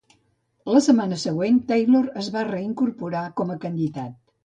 La setmana següent, Taylor es va reincorporar com a candidat.